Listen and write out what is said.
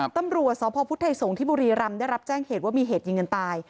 ตำรวจสพพุทธไทยสงฆ์ที่บุรีรำได้รับแจ้งเหตุว่ามีเหตุยิงกันตาย